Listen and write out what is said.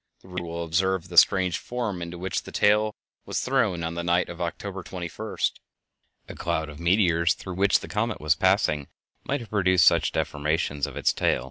The reader will observe the strange form into which the tail was thrown on the night of October 21st. A cloud of meteors through which the comet was passing might have produced such deformations of its tail.